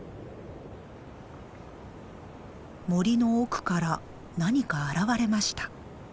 森の奥から何か現れました。